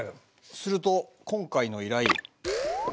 すると今回の依頼。